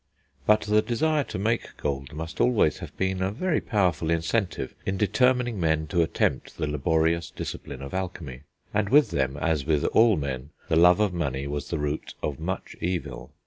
But the desire to make gold must always have been a very powerful incentive in determining men to attempt the laborious discipline of alchemy; and with them, as with all men, the love of money was the root of much evil.